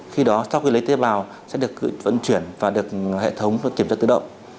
khi đó sau khi lấy tế bào sẽ được vận chuyển và được hệ thống kiểm tra tự động